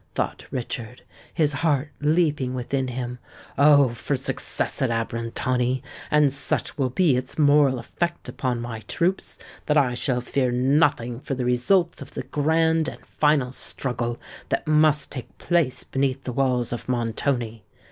thought Richard, his heart leaping within him. "Oh! for success at Abrantani; and such will be its moral effect upon my troops that I shall fear nothing for the result of the grand and final struggle that must take place beneath the walls of Montoni!